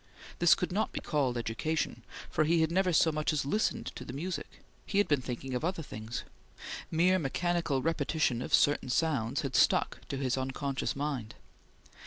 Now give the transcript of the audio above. This could not be called education, for he had never so much as listened to the music. He had been thinking of other things. Mere mechanical repetition of certain sounds had stuck to his unconscious mind.